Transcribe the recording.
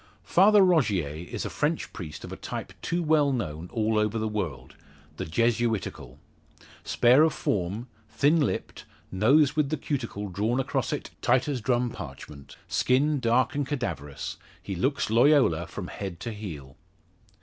Father Rogier is a French priest of a type too well known over all the world the Jesuitical. Spare of form, thin lipped, nose with the cuticle drawn across it tight as drum parchment, skin dark and cadaverous, he looks Loyola from head to heel.